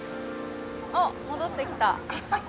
あっ戻ってきた。